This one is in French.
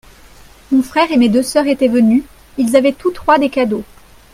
Mon frère et mes deux sœurs étaient venus, ils avaient tous trois des cadeaux.